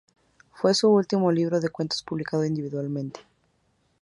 Fue su último libro de cuentos publicado individualmente.